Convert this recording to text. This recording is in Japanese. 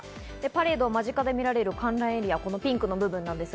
パレードを間近で見られる観覧エリア、ピンクの部分です。